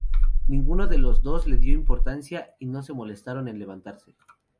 Ninguno de los dos le dio importancia y no se molestaron en levantarse.